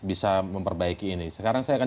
bisa memperbaiki ini sekarang saya akan